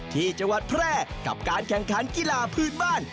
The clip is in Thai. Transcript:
ที่จังหวัดแพร่กับการแข่งขันกีฬาพื้นบ้าน